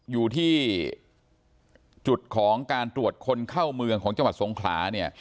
อยู่ที่จุดของการตรวจคนเข้าเมืองของจังหวัดสงขลาเนี่ย